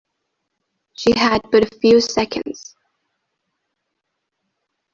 She had but a few seconds.